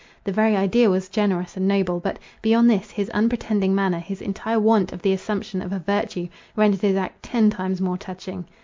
The very idea was generous and noble,—but, beyond this, his unpretending manner, his entire want of the assumption of a virtue, rendered his act ten times more touching.